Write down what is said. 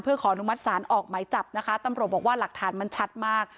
ขออนุมัติศาลออกหมายจับนะคะตำรวจบอกว่าหลักฐานมันชัดมาก